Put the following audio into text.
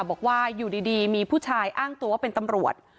บอกว่าอยู่ดีมีผู้ชายอ้างตัวว่าเป็นตำรวจ